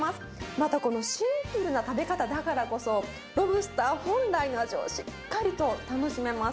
また、このシンプルな食べ方だからこそ、ロブスター本来の味をしっかりと楽しめます。